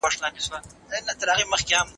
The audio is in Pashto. لیکل د متن په ژور فهم کي تر اورېدلو ښه دي.